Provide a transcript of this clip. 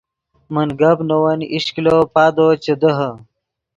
من گپ نے ون ایش کلو پادو چے دیہے